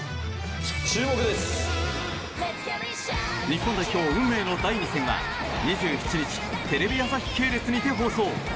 日本代表運命の第２戦は２７日テレビ朝日系列にて放送。